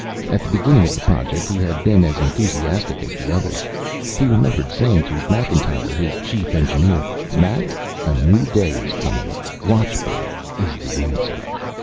At the beginning of the project, he had been as enthusiastic as the others. He remembered saying to Macintyre, his chief engineer, "Mac, a new day is coming. Watchbird is the Answer."